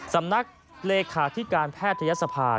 สำนักเลขาธิการแพทยศภา